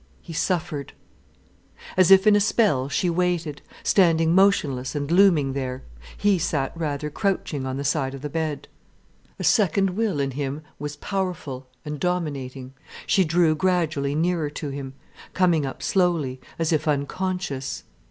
He suffered. As if in a spell she waited, standing motionless and looming there, he sat rather crouching on the side of the bed. A second will in him was powerful and dominating. She drew gradually nearer to him, coming up slowly, as if unconscious.